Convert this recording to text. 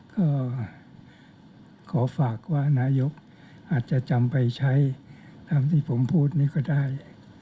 ก็ขอฝากว่านายกอาจจะจำไปใช้ตามที่ผมพูดนี่ก็ได้